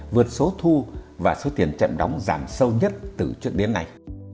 vượt số thu và số tiền chậm đóng giảm sâu nhất từ trước đến nay